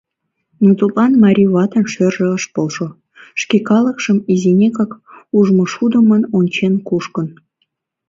Но тудлан марий ватын шӧржӧ ыш полшо — шке калыкшым изинекак ужмышудымын ончен кушкын...